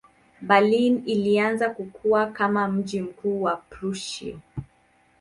Berlin ilianza kukua kama mji mkuu wa Prussia.